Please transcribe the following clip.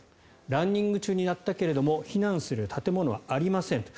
ランニング中に鳴ったけど避難する建物はありませんと。